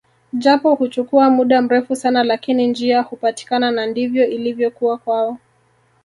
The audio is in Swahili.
Japo huchukua muda mrefu sana lakini njia hupatikana na ndivyo ilivyokuwa kwao